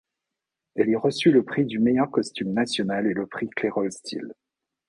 Elle y reçut le Prix du Meilleur Costume National et le Prix Clairol Style.